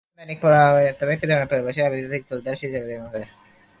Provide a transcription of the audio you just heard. তবে একটি দৈনিক পুরো বিষয়টির অবৈধ দিক তুলে ধরে শীর্ষ প্রতিবেদন করে।